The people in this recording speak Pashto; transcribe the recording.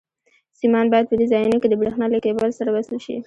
سیمان باید په دې ځایونو کې د برېښنا له کېبل سره وصل شي.